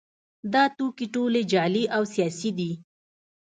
دا ټوکې ټولې جعلي او سیاسي دي